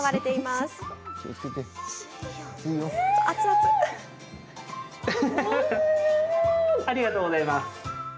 ありがとうございます。